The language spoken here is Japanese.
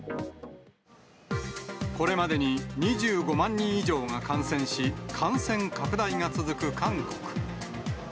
これまでに２５万人以上が感染し、感染拡大が続く韓国。